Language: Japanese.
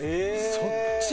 そっちに？